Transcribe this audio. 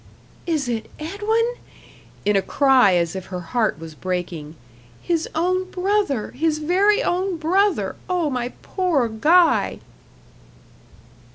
"Is it Edwin?" in a cry as if her heart was breaking. "His own brother his very own brother! Oh, my poor Guy!"